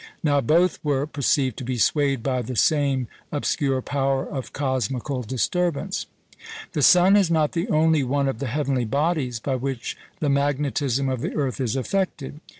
Now both were perceived to be swayed by the same obscure power of cosmical disturbance. The sun is not the only one of the heavenly bodies by which the magnetism of the earth is affected.